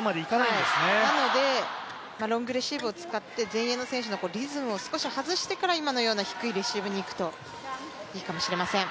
なのでロングレシーブを使って前衛の選手のリズムを少し外してから今のような低いレシーブで行くといいかもしれません。